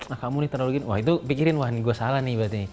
nah kamu nih terlalu gini wah itu pikirin wah ini gue salah nih berarti